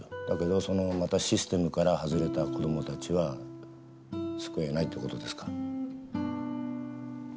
だけどそのシステムから外れた子供たちは救えないって事ですか？